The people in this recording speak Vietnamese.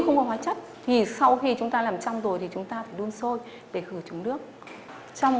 không có hóa chất thì sau khi chúng ta làm trong rồi thì chúng ta phải đun sôi để khử trùng nước trong